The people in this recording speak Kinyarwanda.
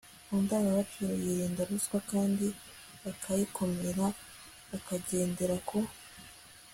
ku ndangagaciro. yirinda ruswa kandi akayikumira, akagendera ku